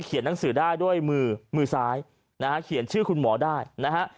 หนังสือได้ด้วยมือมือซ้ายนะฮะเขียนชื่อคุณหมอได้นะฮะ